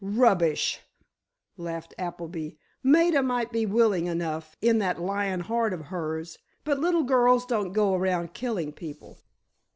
"Rubbish!" laughed Appleby. "Maida might be willing enough, in that lion heart of hers—but little girls don't go around killing people."